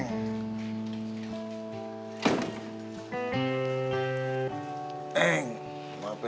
cinta dengan kredit